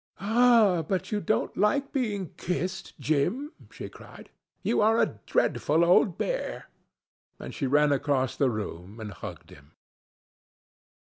"Ah! but you don't like being kissed, Jim," she cried. "You are a dreadful old bear." And she ran across the room and hugged him.